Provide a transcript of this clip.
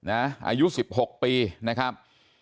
อายุ๑๖ปีนะครับ